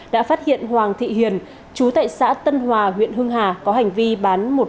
đã phát hiện hoàng thị hiền chú tại xã tân hòa huyện hưng hà có hành vi bán một trăm linh triệu đồng